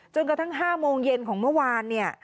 จนกระทั่ง๕โมงเย็นของเมื่อวาน